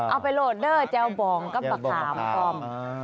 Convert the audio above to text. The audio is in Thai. เอาไปโลดเดอร์แจ้วบองกับมะขามปลอม